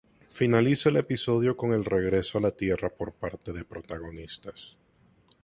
Finaliza el episodio con el regreso a la tierra por parte de los protagonistas.